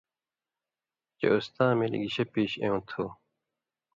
چے اُستا ملیۡ گشے پیش اېوں تُھو